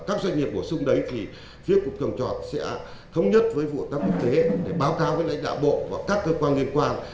các doanh nghiệp bổ sung đấy thì phía cục trồng trọt sẽ thống nhất với vụ tác quốc tế để báo cáo với lãnh đạo bộ và các cơ quan liên quan